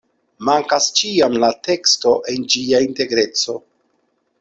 Mankas ĉiam la teksto en ĝia integreco.